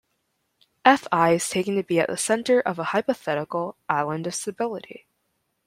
Fl is taken to be at the centre of a hypothetical "island of stability".